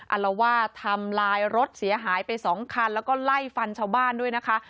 อัลละว่าทำลายรถเสียหายไป๒คันแล้วก็ไล่ฟันเช่าบ้านด้วยนะคะ